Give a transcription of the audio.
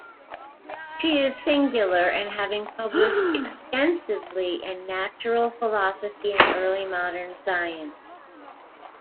She is singular in having published extensively in natural philosophy and early modern science.